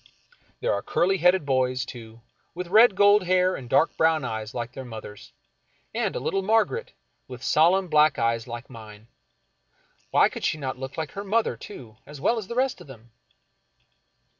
There are curly headed boys, too, with red gold hair and dark brown eyes like their mother's, and a little Margaret, with solemn black eyes like mine. Why could not she look like her mother, too, as well as the rest of them?